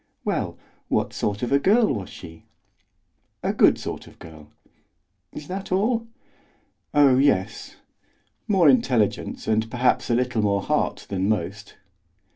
"Well, what sort of a girl was she?" "A good sort of girl." "Is that all?" "Oh, yes; more intelligence and perhaps a little more heart than most."